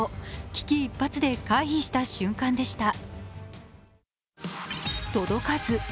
危機一髪で回避した瞬間でした。